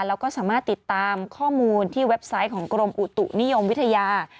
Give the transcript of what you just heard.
แล้วก็สามารถติดตามข้อมูลที่เว็บไซต์ของกรมอุตุนิยมวิทยา